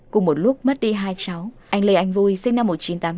cùng một lúc mất đi hai cháu anh lê anh vui sinh năm một nghìn chín trăm tám mươi